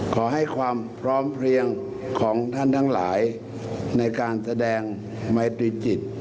ขอให้ความพร้อมเพลียงของท่านทั้งหลายในการแสดงไมตรีจิต